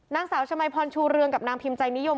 นางสาวชมัยพรชูเรืองกับนางพิมพ์ใจนิยม